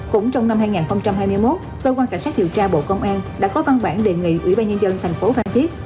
cũng trong năm hai nghìn hai mươi một cơ quan cảnh sát điều tra bộ công an đã có văn bản đề nghị ủy ban nhân dân thành phố phan thiết